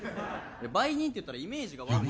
売人って言ったらイメージが悪いから。